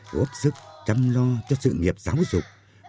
góp sức chăm lo cho sự nghiệp giáo dục